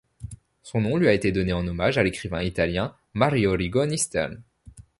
Son nom lui a été donné en hommage à l'écrivain italien Mario Rigoni Stern.